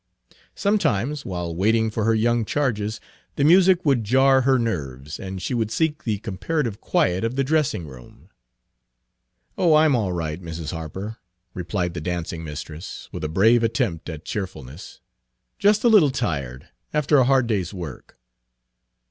Sometimes, while waiting for her young charges, the music would jar her nerves, and she would seek the comparative quiet of the dressing room. "Oh, I 'm all right, Mrs. Harper," replied the dancing mistress, with a brave attempt at Page 42 cheerfulness, "just a little tired, after a hard day's work."